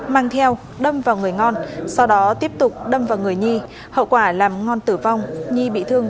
mang theo đâm vào người ngon sau đó tiếp tục đâm vào người nhi hậu quả làm ngon tử vong nhi bị thương